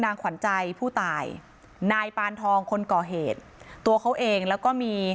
ขวัญใจผู้ตายนายปานทองคนก่อเหตุตัวเขาเองแล้วก็มี